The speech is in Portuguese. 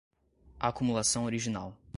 acumulação original